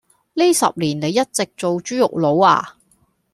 呢十年你一直做豬肉佬呀？